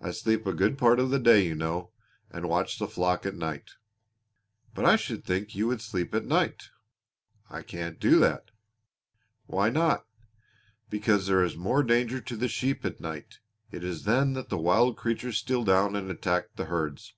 I sleep a good part of the day, you know, and watch the flock at night." "But I should think you would sleep at night." "I couldn't do that." "Why not?" "Because there is more danger to the sheep at night. It is then that the wild creatures steal down and attack the herds."